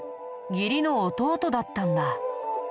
義理の弟だったんだ。